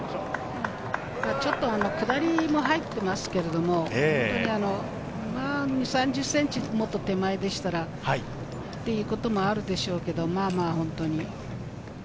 ちょっと下りも入っていますけれども、２０３０ｃｍもっと手前でしたら、ということもあるでしょうし。